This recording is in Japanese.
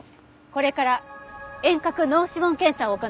これから遠隔脳指紋検査を行います。